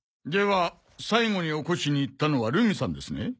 では最後に起こしに行ったのは留海さんですね？